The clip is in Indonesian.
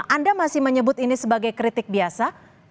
anda masih menyebut ini sebagai kritik biasa